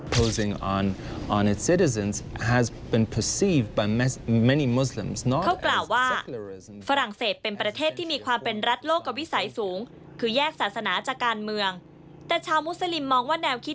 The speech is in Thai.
เขากล่าวว่าฝรั่งเศสเป็นประเทศที่มีความเป็นรัฐโลกวิสัยสูง